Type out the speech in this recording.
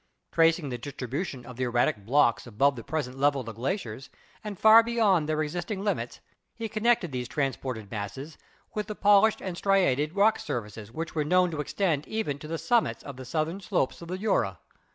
Tracing the distribution of the erratic blocks above the present level of the glaciers, and far beyond their existing limits, he connected these transported masses with the pol ished and striated rock surfaces which were known to extend even to the summits of the southern slopes of the Jura.